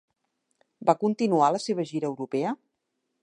Va continuar la seva gira europea?